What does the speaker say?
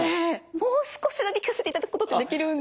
もう少しだけ聴かせていただくことってできるんですか？